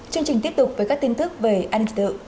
chương trình tiếp tục với các tin tức về an ninh trật tự